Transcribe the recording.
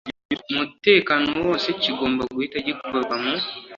mutekano wose kigomba guhita gikorwa mu